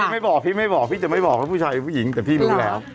ไม่บอกพี่ไม่บอกพี่จะไม่บอกว่าผู้ชายผู้หญิงแต่พี่รู้แล้ว